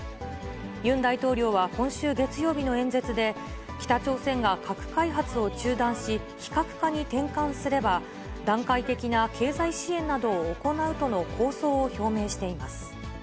ユン大統領は今週月曜日の演説で、北朝鮮が核開発を中断し、非核化に転換すれば、段階的な経済支援などを行うとの構想を表明しています。